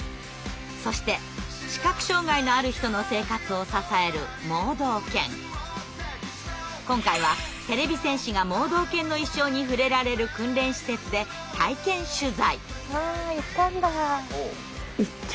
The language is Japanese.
そして視覚障害のある人の生活を支える今回はてれび戦士が盲導犬の一生に触れられる訓練施設で体験取材。